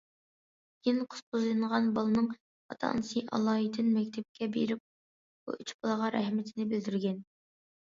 كېيىن قۇتقۇزۇۋېلىنغان بالىنىڭ ئاتا- ئانىسى ئالايىتەن مەكتەپكە بېرىپ بۇ ئۈچ بالىغا رەھمىتىنى بىلدۈرگەن.